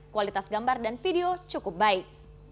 kualitas gambar dan video cukup baik